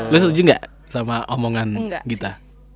lo setuju nggak sama omongan gita